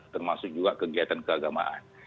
termasuk juga kegiatan keagamaan